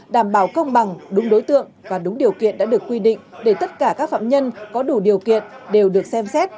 đảm bảo công bằng đúng đối tượng và đúng điều kiện đã được quy định để tất cả các phạm nhân có đủ điều kiện đều được xem xét